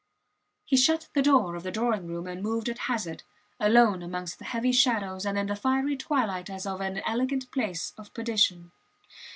He shut the door of the drawing room and moved at hazard, alone amongst the heavy shadows and in the fiery twilight as of an elegant place of perdition.